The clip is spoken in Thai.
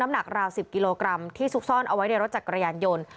หนักราว๑๐กิโลกรัมที่ซุกซ่อนเอาไว้ในรถจักรยานยนต์